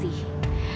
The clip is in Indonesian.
aku mau hidup mandi